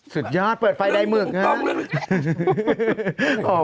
สุดยอดเปิดไฟได้เมื่อก่อน